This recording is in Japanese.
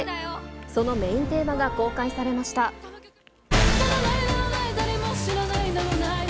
そのメインテーマが公開されました。